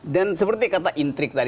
dan seperti kata intrik tadi